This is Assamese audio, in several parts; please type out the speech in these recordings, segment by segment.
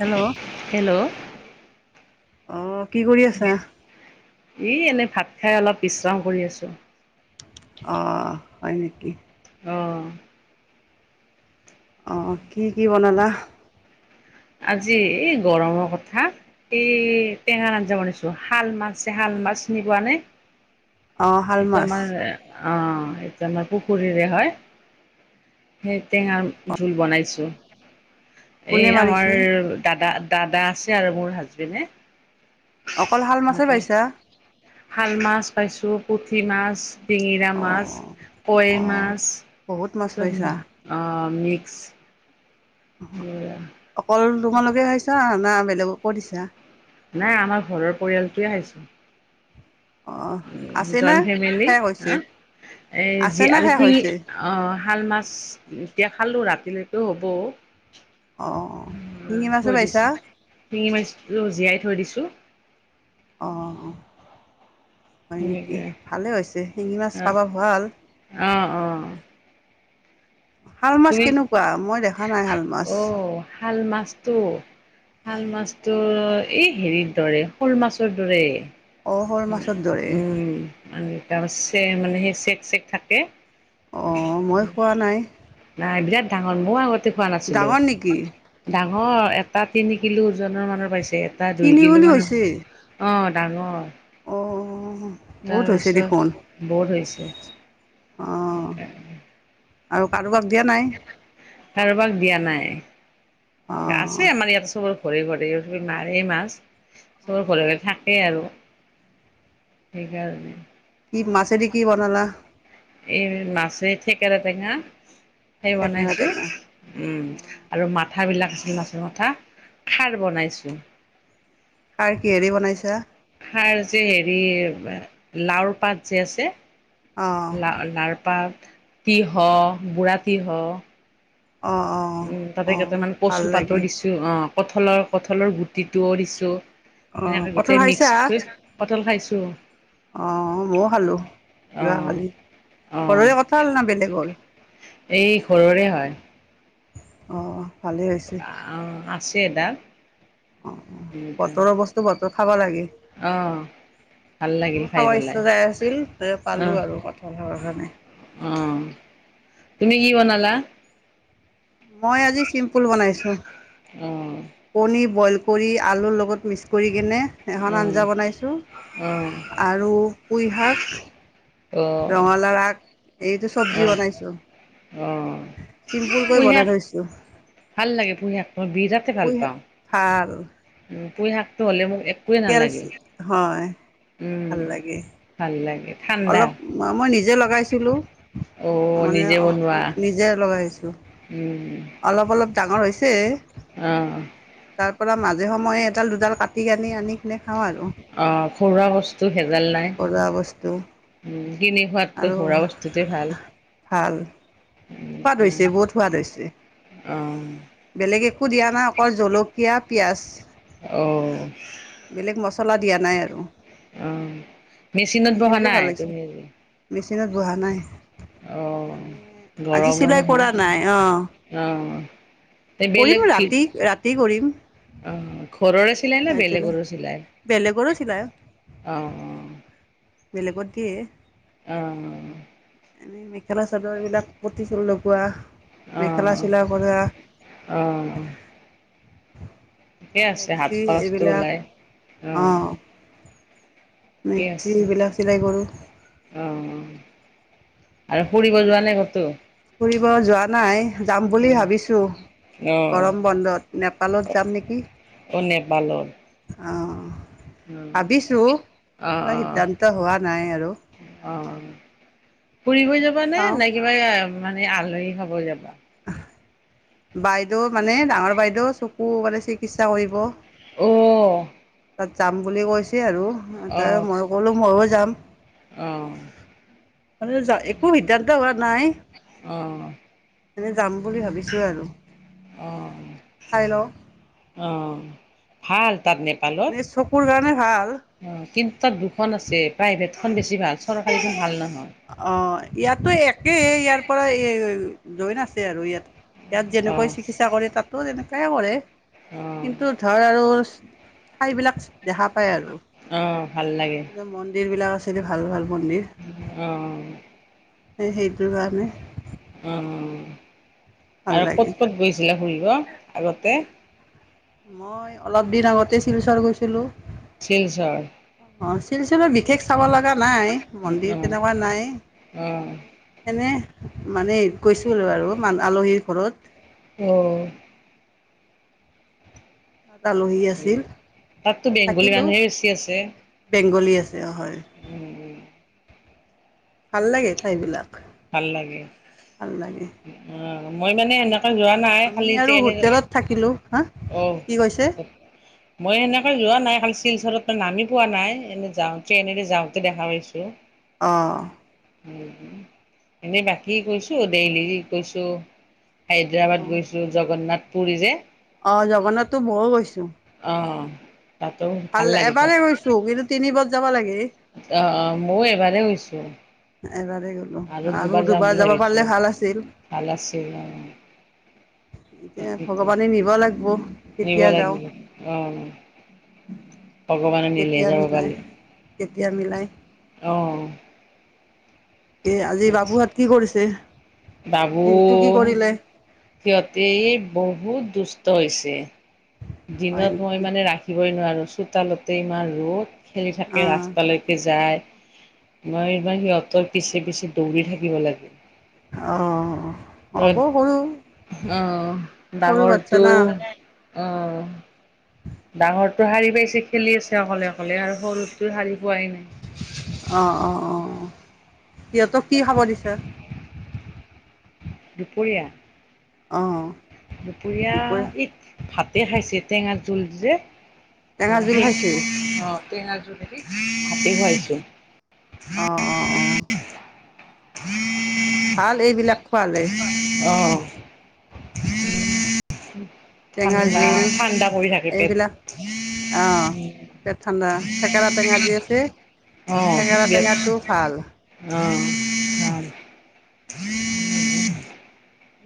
হেল্ল' অ হেল্ল' কি কৰি আছা? ই এনেই ভাত খাই অলপ বিশ্ৰাম কৰি আছোঁ। অ', হয় নেকি? অ'। অ', কি কি বনালা? আজি এই গৰমৰ কথা, এই টেঙা আঞ্জা বনাইছো। শাল মাছ যে শাল মাছ, চিন পোৱা নে? অ', শাল মাছ অ', এইটো আমাৰ পুখুৰীৰে হয়। সেই টেঙাৰ জোল বনাইছোঁ। কোনে এইয়া মাৰিছে? আমাৰ দাদা দাদা আছে আৰু মোৰ হাজবেণ্ডে। অকল শাল মাছেই এনেকৈ পাইছা? শাল মাছ পাইছোঁ, পুঠি মাছ শিঙিৰা মাছ, অ' কৈ অ' মাছ, বহুত মাছ পাইছা। [unintelligible] অ'। মিক্স। অকল তোমালোকে খাইছা না? না বেলেগকো দিছা? নাই, আমাৰ ঘৰৰ পৰিয়ালটোৱে আহিছোঁ। অ' আছে জইন না ফেমেলি শেষ হৈছে? অ', এই জি আছে না আৰু শেষ সি হৈছে? অ', শাল মাছ এতিয়া খালোঁ, ৰাতিলৈকেও হ'ব। অ' উম, শিঙি মাছো থৈ পাইছা? দিছোঁ, শিঙি মাছ [unintelligible] জীয়াই থৈ দিছোঁ। অ', অহ। হয় নেকি, সেনেকে ভালে হৈছে! শিঙি মাছ অ খাব ভাল। অ শাল মাছ তুমি কেনেকুৱা! মই দেখা নাই শাল মাছ। ত' শাল মাছতো এই হেৰিৰ দৰে শ'ল মাছৰ দৰেই। অ', শ'ল মাছৰ দৰে। মানে তাৰ [unintelligible] মানে সেই চেক-চেক থাকে। অ', মই খোৱা নাই। নাই, বিৰাট ডাঙৰ! মইও আগতে খোৱা নাছিলোঁ ডাঙৰ নেকি অ', এটা তিনি কিলো ওজনৰ মানৰ পাইছি এটা দুই তিনি কিলো বুলি মানৰ, হৈছে অ'। ডাঙৰ। অঁ বহুত হৈছে দেখোন তাৰপাছত ব অঁ [unintelligible] আৰু কাক কাৰোবাক দিয়া নাই। আছে অঁ আমাৰ ইয়াত চব। ঘূৰি ঘুৰি [unintelligible] মাৰে মাছ। তোৰ ঘৰে ঘৰে থাকেই আৰু। সেইকাৰণে। কি মাছে দি কি বনালা? এই মাছে, থেকেৰা টেঙা। সেই থেকেৰা বনাইছো। টেঙা উম আৰু মাত মাথাবিলাক আছিল মাছৰ মাথা খাৰ বনাইছো। খাৰ কিহেদি বনাইছা খাৰ যে হেৰি লাউৰ পাত যে আছে। অঁ লা-লাউৰ পাত। তিহ বুঢ়া তিহ অঁ অঁ উম তাতে অঁ কেইটা মানে ভাল কচুৰ লাগে পাতৰ দিছো, অ। কঠলৰ কঠলৰ গুটিটোও দিছো। অঁ সেনেকে কঁঠাল গোটেই মিক্স কৰি পটল খাইছ য অহ ময়ো খালো অ যোৱাকালি অ ঘৰৰে কঁঠাল না বেলেগৰ? এই ঘৰৰে অ। আ আছ টে দা অ বতৰ অৱস্থা বত ত খাব লাগে। অ ভাল লাগিল মোৰ খাই খাব পেলাই ইচ্ছা যাই আছিল তে অ পালো আৰু কঁঠাল খাবৰ কাৰণে। অ তুমি কি বনলা? মই আজি চিম্পুল বনাইছো। অ। কণী বইল কৰি আলুৰ লগত মিক্স কৰি কেনে অ এখন আঞ্জা বনাইছোঁ অ আৰু কুই শাক অ অ ৰঙালাও আগ। এইটো চব্জি বনাইছো। অ [unintelligible] ভাল লাগে পুহেক মই বিৰাটেই ভাল পুই পাওঁ। ভাল পুই শাকটো হ'লে মোক এ কেলচি, হয় উম, ভাল লাগে। ভাল লাগে ঠাণ্ডা। অলপ ম মই নিজে লগাইছিলো, অ' মানে নিজে অ অ বনোৱা। নিজে অল [inaudible] অলপ-অলপ ডাঙৰ হৈছে আহ তাৰ পৰা মাজে সময়ে এডাল-দুডাল কাটি-কানি আনি কিনে খাওঁ আৰু আহ খৰুৱা বস্তু ভেজাল নাই। ঘৰুৱা বস্তু উ কিনি খোৱাতকৈ আৰু সুৰা বস্তুটোৱে ভাল। ভাল সোৱাদ উম, হৈছে, বহুত সোৱাদ হৈছে, অ', বেলেগ একো দিয়া নাই অকল জলক কিয়া, পিঁয়াজ অ'। চলা দিয়া নাই আৰু। অ' মেচিনত বহা নাই, তুমি চিনত বহা নাই। অ'। মানে আজি গৰমো চিলাই নহয়, কৰা নাই অ অ' এই কৰিম বেলেগ হি, ৰাতি ৰাতি কৰিম অ' ঘৰৰে চিলাইনে ৰাতিলৈ বেলেগৰো চিলাই? বেলেগৰো চিলাই অ', অ' বেলেগত দিয়ে। অ, অ, অ। এনে মেখেলা চাদৰ, এইবিলাক পতি ফুল লগোৱা। মেখেলা অ' চিলাই কৰা অ' অ' অ'। ঠিকে বা আছে হাত মেক্সি খৰচটো এইবিলাক ওলাই, অ'। ঠিকে আছে মেক্সিবিলাক চিলাই কৰোঁ। অ আৰু ফুৰিব যোৱা নাই কতো? ফুৰিব যোৱা নাই, যাম বুলি উম, ভাবিছো অ গৰম বন্ধত, নেপালত যাম নেকি। নেপালত অ' অ'। ভাবিছো অ' পুৰা অ' সিদ্ধান্ত হোৱা নাই আৰু অ', অ' ফুৰিবই যাবানে চাওঁ নাই কিবা মান নে আলহী খাব যাবা। বাইদেউ মানে, ডাঙৰ বাইদেউ চকু মানে চিকিৎসা কৰিব। অহ। তাত যাম বুলি কৈছ চে আৰু অ অ তে মইয়ো ক'লো মইয়ো যাম। যাওঁ, একো সিদ্ধান্ত হোৱা নাই। অ [unintelligible] যাম বুলি ভাবিছোঁ আৰু। অ চাই লওঁ। অ ভাল। তাত নেপালত। এনে চকুৰ কাৰণে ভাল অ'। কিন্তু তাত দুখন আছে। প্ৰাইভেট খন বেছি ভাল, চৰকাৰীখন ভাল নহয়। অ', ইয়াতো একে, ইয়াৰ পৰা এ জইন আছে আৰু ইয়াত ইয়াত অ যেনেকৈ চিকিৎসা কৰে তাতো তেনেক প্ৰায় কৰে। অ কিন্তু ধৰ আৰু চ ঠাইবিলাক দেখা পায় আৰু। অ ভাল লাগে মন্দিৰ বিলাক আছ তেনে ভাল-ভাল অ'। হে হেই অ'। ভাল আৰু ক'ত লাগে ক'ত গৈছিলা ফুৰি অ', আগতে‌ মই অলপ দিন আগতে শিলচৰ গৈ ছিলো। শিলচৰ। অ', শিলচৰৰ বিশে শেষ চাব লগা নাই, মন্দিৰ অ', তেনেকুৱা নাই। অ', এনে মানে এ কৈছো আৰু মান-আলহীৰ ঘৰত অ'। তাত আলহী উম, আছিল তাতো তাত বেংগলী থাকিলোঁ মানুহে বেছি আছে। অ', হয়। ভাল লাগে ঠাইবিলাক। ভাল লাগে। ভাল লাগে অ'। মই মানে সেনেক কে যোৱা নাই। আমি খালি আৰু ট্ৰেইনেৰে, হোটেলত থাকিলোঁ হা অ', কি কৈছে মই সেনেকে যোৱা নাই। শিলচৰত নামি পোৱা নাই। এনে যাওঁতে এনেকে যাওঁতে দেখা পাইছো। অহ উমম এনেই বাকী গৈছো দেলি গৈছো হায়দৰাবাদ অঁ গৈছো জগন্নাথ পুৰী জে অ জগন্নাতো মও গছো অহ ভাল এবাৰে গৈছো কিন্তু তিনিবাৰ যাবা লাগে অ অ মই এবাৰ বাৰ গৈছো এবাৰেই গলো আৰু দুবাৰ বুলি যাব ভাবিছোঁ। পাৰিলে ভাল আছিল ভাল আছিল অ', এতিয়া তাকেতো ভগৱানে নিবা লাগব নিব লাগিব অ ভগৱানে নিলে কেতিয়া যাও বাল মিলাই কেতিয়া মিলাই এ আজি বাবুহত কি কৰিছে বাবু দিনটো কি কৰিলে সিহঁতি এ বহুত দুষ্ট হৈছে হয় দিনত মই নেকি মানে ৰাখি ৰই নোৱাৰোঁ চোতালতে ইমান ৰদ খেলি অ থাকে ৰাস্তালেকে যায় মই বা সিহঁতৰ পিছে পিছে দৌৰি থাকিব লাগে অ হ'ব সৰু অ', সৰু ডাঙৰটো বাচ্ছা না অ ডাঙৰটো শাৰী পাইছে খেলি আছে অকলে অকলে আৰু সৰুতো শাৰী পোৱাই নাই অ অ অ সিহঁতক কি খাব দিছে দুপৰীয়া অঁ দুপৰীয়া ইদ ভাত তে খাইছে টেঙাৰ জোল যে টেঙা অ জোল সেই খাইছে অ টেঙাৰ জুলেদি ভাতে খুৱাইছো অহ-অহ-অহ [inaudible] ভাল এইবিলাক খোৱালে অহ টেঙাৰ ঠাণ্ডা জোল ঠাণ্ডা পৰি থাকে পেট এইবিলাক অহ পেট ঠাণ্ডা থেকেৰা টেঙা যে [inaudible] অ-অ-অ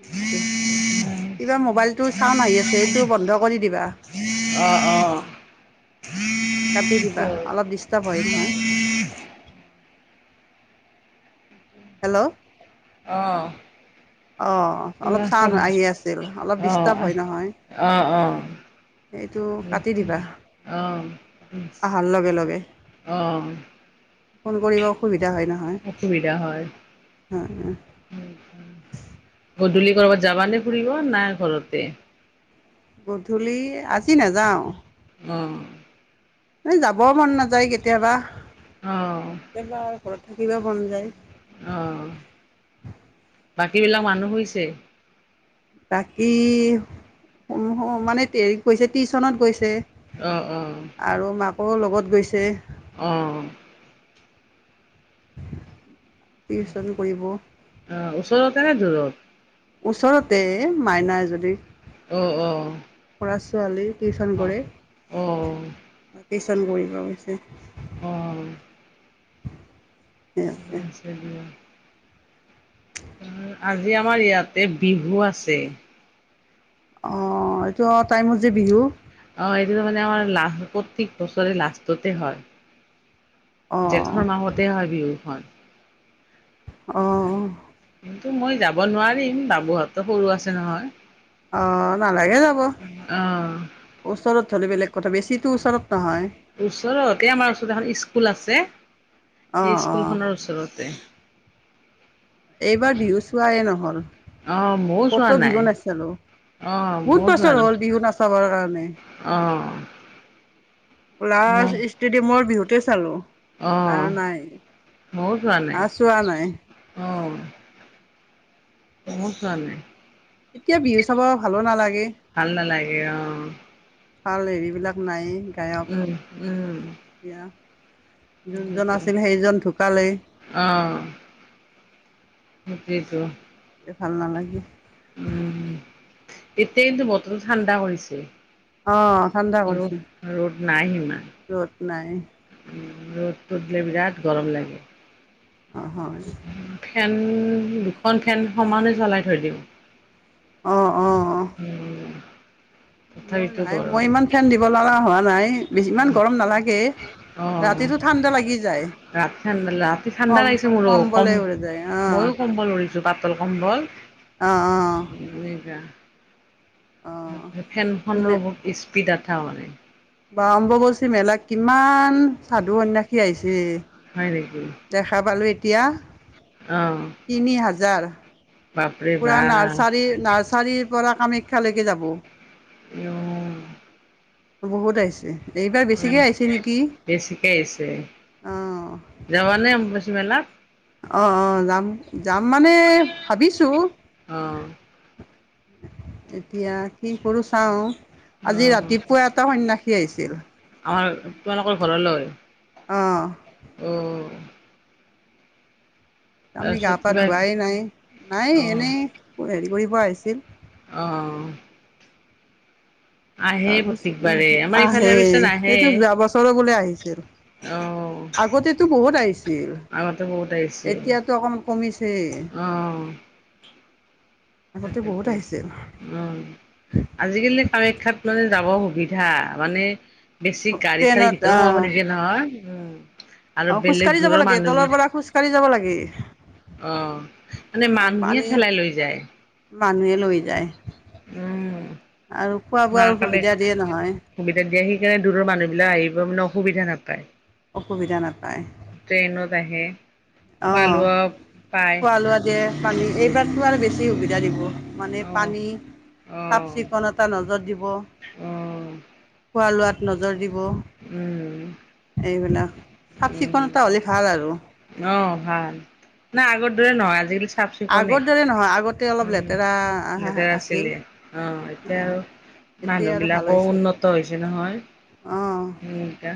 এইটো কিবা মোবাইলটো চাউনড আহি আছে এইটো বন্ধ কৰি দিবা। অঁ-অঁ কাটি দিবা অলপ ডিষ্টাৰ্ব হয় নহয়। হেল্ল' অ অ অলপ কিবা চাউণ্ড শব্দ আহি আছিল অলপ অ ডিষ্টাৰ্ব হয় নহয়। এইটো কাটি দিবা অহাৰ লগে লগে অহ-অহ ফোন কৰিব অসুবিধা হয় নহয় অসুবিধা হয় গধূলি বাৰ জাবানে ফুৰিব না ঘৰতে গধূলি আজি নাযাওঁ। উ ন যাব মন নাযায় কেতিয়াবা অ, কেতিয়াবা আৰু ঘৰত থাকিব মন যায়। অহ বাকী বিলাক মানুহ শুইছে। বাকী মানে হৰি গৈছে টি টিওচনত গৈছে। অহ-অহ। আকৌ লগত গৈছে। অহ টিউচন কৰিব অ উওচৰতেনে দূৰত। ওচৰতে মাইনাই যদি অ-অ লৰা ছোৱালী টিউচন কৰে। অ টিউচন কৰিব গৈছে। অ অ ঠিকে সিহঁতে আছে দিয়া। আজি আমাৰ ইয়াতে বিহু আছে। অ এইটো টাইমত যে বিহু, অহ এইটো ত মানে আমাৰ লাষ্ট প্ৰত্যেক বছৰে লাষ্টতে হয়। অঁ জেঠৰ মাহতে হয় বিহু হয়। আহ কিন্তু মই যাব নোৱাৰিম বাবুহঁতো সৰু আছে নহয়। অ নালাগে যাব অ ওচৰত হ'লে বেলেগ। ক'থা বেছিটো ওচৰত। নহয় ওচৰতে আমাৰ ওচৰত এখন স্কু। স্কুল আছে। অঁ সেই অঁ স্কুলখনৰ ওচৰতে। এইবাৰ বিহু চোৱাই নহ'ল অঁ ময়ো চোৱা কতো নাই বিহু নাচালো অঁ ময়ো বহুত চোৱা বছৰ নাই হ'ল বিহু নাচাবৰ কাৰণে। অঁ লাষ্ট ষ্টেডিয়ামৰ বিহুত। সেইটোৱে চালো। অ ম‌ইও যোৱা নাই আৰু চোৱা নাই অ। ময়ো চোৱা না‌ই। এতিয়া বিহু চাব ভালো নালাগে। ভাল নালাগে অ। ভাল হেৰিবলাক নাই। গায়ক উম উম এতিয়া যোনজন সেইটো আছিল সেইজন ঢুকালেই। তাকেইটো ভাল নালাগে। উম এতিয়া কিন্তু বতৰো ঠাণ্ডা কৰিছে। অহ ৰ'দ ৰ'দ নাই বিমান। ৰ'দ নাই ৰ'দটো দিলে বিৰাট গৰম লাগে। হয় ফেন দুখন ফেন সমানে চলাই থৈ দিওঁ। অঁ অঁ উম, মোৰ তথাপিতো নাই গৰম মই ইমান ফেন দিব লগা হোৱা নাই। ইমান অ', গৰম নালাগে অ', ৰাতিটো ঠাণ্ডা লাগি যায় ৰাতি ঠাণ্ডা ৰাতি ঠাণ্ডা কম লাগিছে মোৰো কম কমবলে উৰি যায় ময়ো কম্বল লৰিছো পাতল কম্বল অ অ' এনেকা অ ফেনখনৰো বহুত স্পী [unintelligible] মানে বাহ অম্বুবাচী মেলাত কিমান সাধু সন্ন্যাসী আহিছে। হয় নেকি। দেখা পালোঁ এতিয়া। অ', তিনি হাজাৰ। বাপৰে পুৰা বাপ নাৰ্চাৰিৰ নাৰচ্ চাৰিৰ পৰা কামাখ্যালৈকে যাব। অহ। বহুত আহিছে। এইবাৰ বেছিকৈ আহিছে নেকি বেছিকে আহিছে অঁ যাবানে অম্বুবাচী মেলাত। অহ অহ যাম। যাম মানে ভাবিছো। অ', এতিয়া কি কৰো চাও। আজি অ', ৰাতিপুৱা এটা সন্যসী। সি আহিছিল। আমাৰ তোমালোকৰ ঘৰলৈ। অঁ অহ। আমি গা তাৰপিছত পা কিবা ধোৱাই নাই, নাই এনেই হেৰি। কৰিব আহিছিল। অহ। তাৰপিছত প্ৰত্যেকবাৰে আমাৰ আহে ইফালে অৱশ্যে নাহে সেইটো যোৱা বছৰ বোলে আহিছিল অ আগতেতো বহুত আহিছিল আগতে বহুত আহিছিল এতিয়াতো অকমান কমিছে। আগতে বহুত আহিছিল অহ আজিকালি কাৰে। শাত মানে যাব সুবিধা মানে। বেছি গাড়ী চাৰী ট্ৰেইনত ভিতৰত সোমাব আহ নিদিয়ে নহয়। অহ। আৰু অ বেলেগ খোজকাঢ়ি যাব দূৰৰ লাগে তলৰ মানুহবোৰ পৰা খোজকাঢ়ি যাব লাগে অহ মানে মানুহে পানী থেলাই লৈ যায়। মানুহে লৈ যায়। উম আৰু খোৱা মা বোৱাৰো সুবিধা কামাখ্যা দিয়ে নহয়। সুবিধা দিয়ে সেইকাৰণে দূৰৰ মানুহবিলক আহিব মানে অসুবিধা নাপায়। অসুবিধা নাপায়। ট্ৰেইনত আহে। খোৱা অক্ষ লোৱা পায় খোৱা লোৱা দিয়ে পানী এইবাৰতো আৰু বেছি সুবিধা। এয়া দিব। মানে পানী অ চাফ অ চিকুণতা নজৰ দিব অ', উম, খোৱা লোৱাত। নজৰ দিব। উম। এইবিলাক চাফ চিকুণতা হ'লে ভাল আৰু। অ' ভাল নাই আগৰ দৰে নহয় আজিকালি চাফ আগৰ চিকুণেই দৰে নহয় আগতে অলপ লেতেৰা লেতেৰা আছিল আছিলে অঁ এতিয়া আৰু এতিয়া আৰু ভাল মানুহবিলাকো হৈছে উন্নত হৈছে নহয় অঁ এয়া